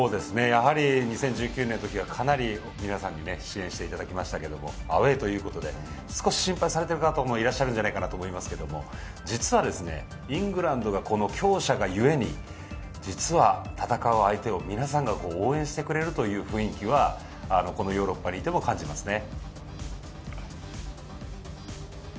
２０１９年の時はかなり皆さんに支援していただきましたがアウェーということで少し心配されている方もいらっしゃるんじゃないかと思いますが実は、イングランドが強者がゆえに実は、戦う相手を皆さんが応援してくれるという雰囲気はこのヨーロッパにいても感じますね。